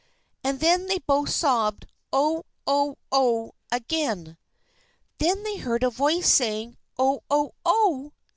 And then they both sobbed "Oh! oh! oh!" again. Then they heard a voice saying, "Oh! oh! oh!"